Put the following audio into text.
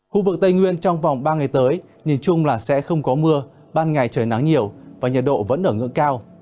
khu vực tây nguyên trong vòng ba ngày tới nhìn chung là sẽ không có mưa ban ngày trời nắng nhiều và nhiệt độ vẫn ở ngưỡng cao